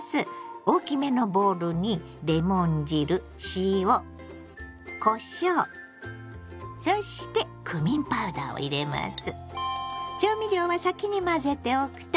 大きめのボウルにレモン汁塩こしょうそしてクミンパウダーを入れます。